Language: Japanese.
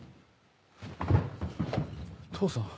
父さん？